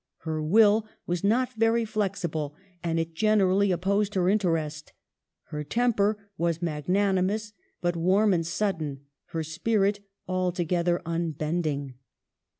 Her will was not very flexible and it generally opposed her interest. Her temper was mag nanimous, but warm and sudden ; her spirit altogether unbending."